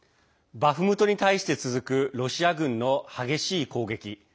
バフムトに対して続くロシア軍の激しい攻撃。